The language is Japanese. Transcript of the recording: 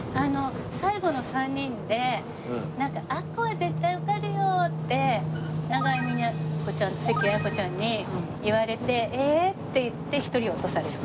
最後の３人で「あっこは絶対受かるよ」って永井美奈子ちゃんと関谷亜矢子ちゃんに言われてえー？って言って１人落とされた。